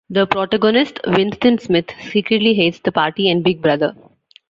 The protagonist, Winston Smith, secretly hates the Party and Big Brother.